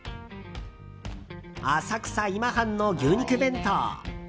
浅草今半の牛肉弁当！